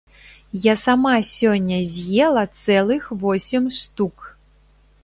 Я сама сёння з'ела цэлых восем штук!